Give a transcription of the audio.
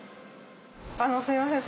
あのすいません。